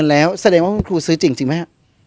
แล้วสำหรับคุณครูซื้อจริงใช่ไหมครับ